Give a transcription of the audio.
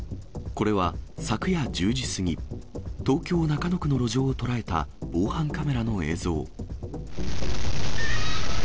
これは昨夜１０時過ぎ、東京・中野区の路上を捉えた防犯カメラの映像。